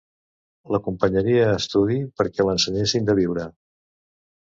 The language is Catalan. L'acompanyaria a estudi pera que l'ensenyessin de viure